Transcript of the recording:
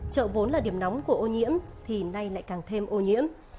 chợ vốn là điểm nóng của ô nhiễm thì nay lại càng thêm ô nhiễm